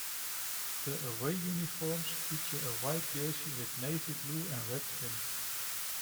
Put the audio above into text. The away uniforms feature a white jersey with navy blue and red trim.